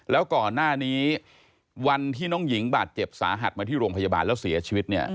แล้วก่อนหน้านี้วันที่น้องหญิงบาดเจ็บสาหัสมาที่โรงพยาบาลแล้วเสียชีวิตเนี่ย